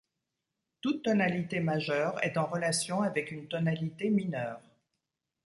Toute tonalité majeure est en relation avec une tonalité mineure.